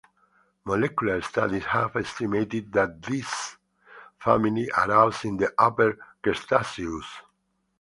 Molecular studies have estimated that this family arose in the Upper Cretaceous.